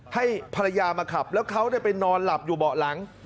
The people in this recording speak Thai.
ให้ภรรยามาขับแล้วเขาไปนอนหลับอยู่เบาะหลัง